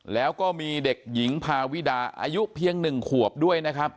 แล้วก็มีเด็กหญิงพาวิดาอายุเพียง๑ขวบด้วยนะครับ